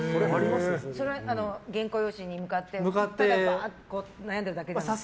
それは原稿用紙に向かってただ悩んでるだけなんですか？